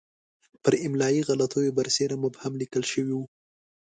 پر املایي غلطیو برسېره مبهم لیکل شوی وو.